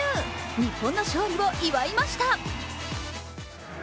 日本の勝利を祝いました。